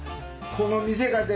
この店がね